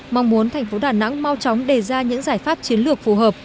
mong muốn thành phố đà nẵng mau chóng đề ra những giải pháp chiến lược phù hợp